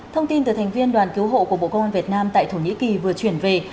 thông tin từ thành viên đoàn cứu hộ của bộ công an việt nam tại thổ nhĩ kỳ vừa chuyển về